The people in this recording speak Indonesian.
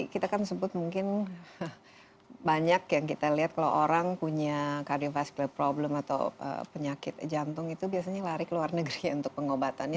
jadi kita kan sebut mungkin banyak yang kita lihat kalau orang punya kardiovaskular problem atau penyakit jantung itu biasanya lari ke luar negeri untuk pengobatan